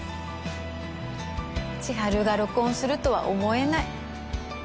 千晴が録音するとは思えない。